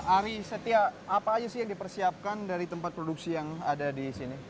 ari setia apa aja sih yang dipersiapkan dari tempat produksi yang ada di sini